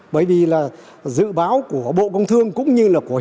bởi vì dự báo của bộ công thương cũng như của hiệp